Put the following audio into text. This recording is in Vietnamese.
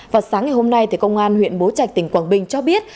vào sáng ngày hôm nay công an huyện bố trạch tỉnh quảng bình cho biết